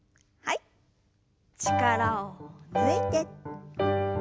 力を抜いて。